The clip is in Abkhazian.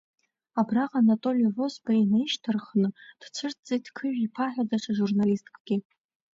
Абраҟа Анатоли Возба инишьҭарххны дцәырҵит Қыжә-иԥа ҳәа даҽа журналисткгьы.